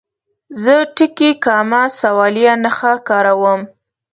زه ټکي، کامه، سوالیه نښه کاروم.